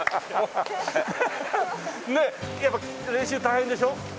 やっぱ練習大変でしょ？